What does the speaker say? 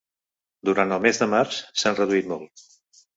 Durant el mes de març s’han reduït molt.